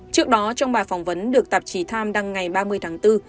trước đó trong bài phỏng vấn được tạp chí times đăng ngày ba mươi tháng bốn